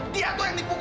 dia tuh yang nipu gue